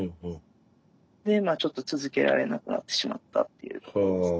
でまあちょっと続けられなくなってしまったっていうことですね。